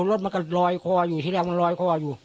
รถมันก็ลอยคออยู่ที่แรกมันลอยคออยู่